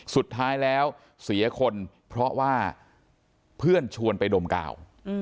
สุดท้ายแล้วเสียคนเพราะว่าเพื่อนชวนไปดมกาว